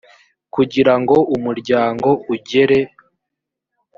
kugira ngo umuryango ugere